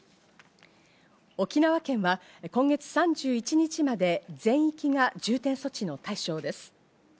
沖縄県は今月３１日まで全域が重点措置の対象です。